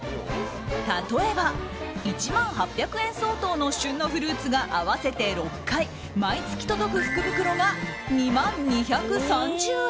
例えば１万８００円相当の旬のフルーツが合わせて６回毎月届く福袋が２万２３０円。